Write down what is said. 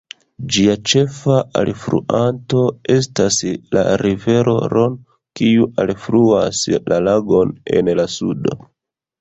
Ĝia ĉefa alfluanto estas la rivero "Ron", kiu alfluas la lagon en la sudo.